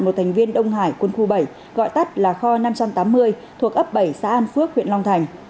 một thành viên đông hải quân khu bảy gọi tắt là kho năm trăm tám mươi thuộc ấp bảy xã an phước huyện long thành